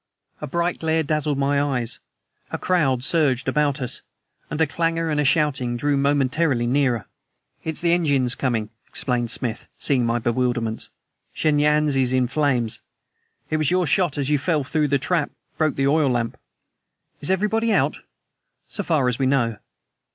A bright glare dazzled my eyes. A crowd surged about us, and a clangor and shouting drew momentarily nearer. "It's the engines coming," explained Smith, seeing my bewilderment. "Shen Yan's is in flames. It was your shot, as you fell through the trap, broke the oil lamp." "Is everybody out?" "So far as we know."